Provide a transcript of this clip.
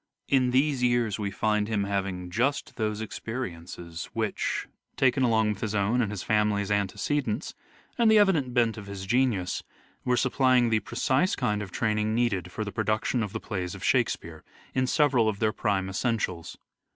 In these years we find him having just those experiences which, taken along with his own and his family's antecedents, and the evident bent of his genius, were supplying the precise kind of training needed for the production of the plays of Shakespeare, in several of their prime essentials.